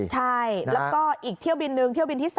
ใช่แล้วก็อีกเที่ยวบินนึงเที่ยวบินที่๓